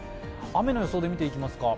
雨の予想で見ていきますか。